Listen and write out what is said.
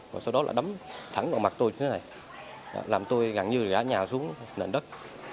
và sau đó đấm thẳng vào mặt tôi như thế này làm tôi gặn như gã nhào xuống nền đất